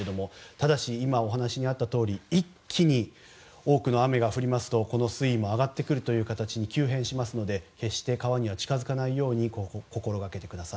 ただし今、お話にあったとおり一気に多くの雨が降りますとこの水位も上がってくる形に急変しますので決して川には近づかないように心がけてください。